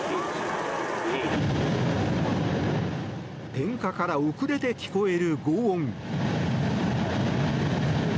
点火から遅れて聞こえるごう音。